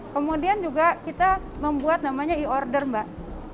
kemudian juga kita membuat namanya e order mbak